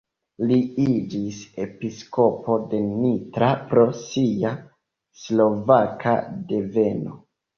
Li iĝis episkopo de Nitra pro sia slovaka deveno.